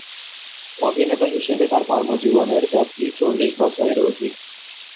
অভিনেতা হিসেবে তার কর্মজীবনের ব্যপ্তি চল্লিশ বছরের অধিক।